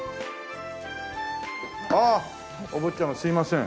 ああお坊ちゃますみません。